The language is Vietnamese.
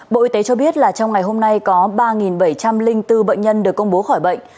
bộ y tế cho biết là trong ngày hôm nay có ba bảy trăm linh bốn bệnh nhân được công bố khỏi bệnh